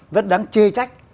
rất đáng chê trách